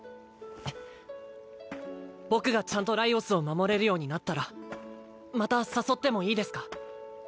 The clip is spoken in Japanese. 僕がちゃんとライオスを守れるようになったらまた誘ってもいいですか？